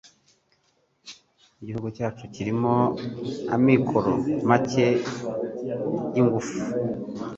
Igihugu cyacu kirimo amikoro make yingufu